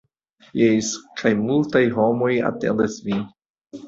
Jes kaj multaj homoj atendas vin